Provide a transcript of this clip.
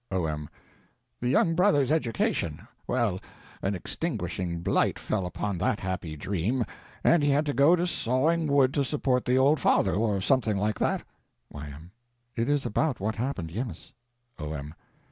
O.M. The young brother's education—well, an extinguishing blight fell upon that happy dream, and he had to go to sawing wood to support the old father, or something like that? Y.M. It is about what happened. Yes. O.M.